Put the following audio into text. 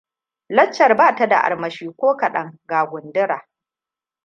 Laccar ba ta da armashi ko kadan ga gundura.